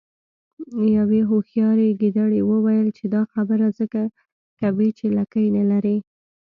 یوې هوښیارې ګیدړې وویل چې دا خبره ځکه کوې چې لکۍ نلرې.